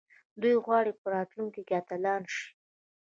دوی غواړي په راتلونکي کې اتلان شي.